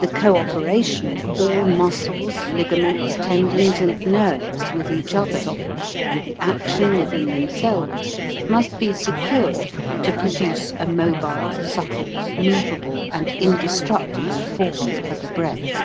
The cooperation of all muscles, ligaments, tendons, and nerves with each other and the action within themselves must be secured to produce a mobile, supple, movable, and indestructible form for the breath.